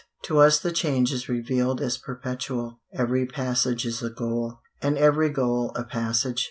To us the change is revealed as perpetual; every passage is a goal, and every goal a passage.